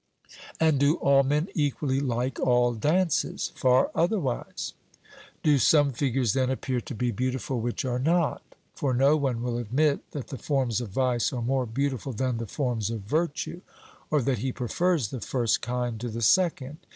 And do all men equally like all dances? 'Far otherwise.' Do some figures, then, appear to be beautiful which are not? For no one will admit that the forms of vice are more beautiful than the forms of virtue, or that he prefers the first kind to the second.